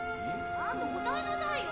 ちゃんと答えなさいよ。